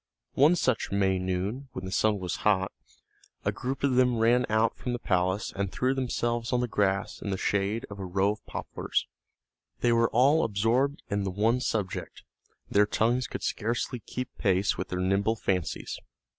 One such May noon, when the sun was hot, a group of them ran out from the palace, and threw themselves on the grass in the shade of a row of poplars. They were all absorbed in the one subject; their tongues could scarcely keep pace with their nimble fancies.